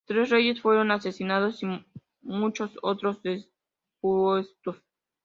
Tres reyes fueron asesinados y muchos otros depuestos.